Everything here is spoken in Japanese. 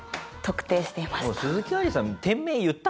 もう鈴木愛理さん